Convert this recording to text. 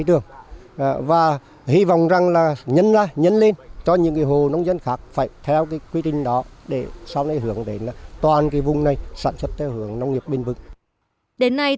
đến nay tổng diện tích trồng tiêu trên địa bàn tỉnh quảng trị có tổng diện tích trồng tiêu hơn ba trăm linh hectare